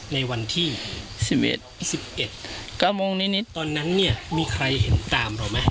ในวันที่๑๑ตอนนั้นเนี่ยมีใครเห็นตามนอกมา